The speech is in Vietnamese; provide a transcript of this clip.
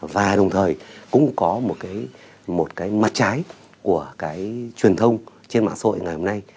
và đồng thời cũng có một cái mặt trái của cái truyền thông trên mạng xã hội ngày hôm nay